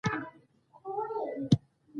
دفتر د ښار په مرکز کې موقعیت لری